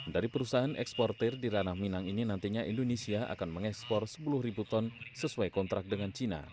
dari perusahaan ekspor tir di ranah minang ini nantinya indonesia akan mengekspor sepuluh ton sesuai kontrak dengan china